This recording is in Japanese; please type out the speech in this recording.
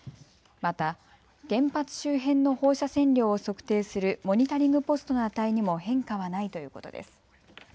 また原発周辺の放射線量を測定するモニタリングポストの値にも変化はないということです。